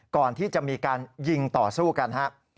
ก่อนที่จะมีการยิงต่อสู้กันครับ